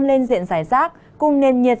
lên diện giải rác cùng nền nhiệt